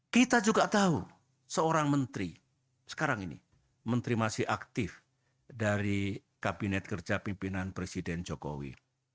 kita juga tahu seorang menteri sekarang ini menteri masih aktif dari kabinet kerja pimpinan presiden jokowi